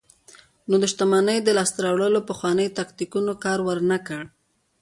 نو د شتمنیو د لاسته راوړلو پخوانیو تاکتیکونو کار ورنکړ.